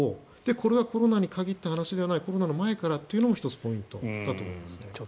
これはコロナに限った話じゃないコロナの前からというのも１つポイントだと思います。